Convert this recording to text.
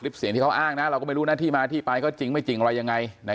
เสียงที่เขาอ้างนะเราก็ไม่รู้นะที่มาที่ไปก็จริงไม่จริงอะไรยังไง